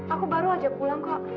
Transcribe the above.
aku baru aja pulang kok